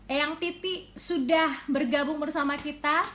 eyang titi sudah bergabung bersama kita